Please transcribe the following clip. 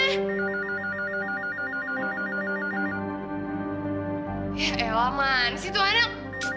ya elah mana sih tuan anak